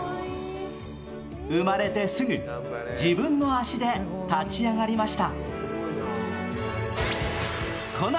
生まれてすぐ、自分の足で立ち上がりました。